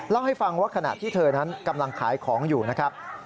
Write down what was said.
เล่าให้ฟังว่าขณะที่เธอนั้นกำลังขายของอยู่นะครับ